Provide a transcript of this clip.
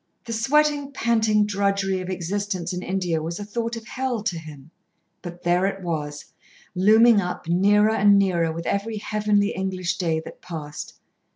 The sweating, panting drudgery of existence in India was a thought of hell to him. But there it was, looming up nearer and nearer with every heavenly English day that passed.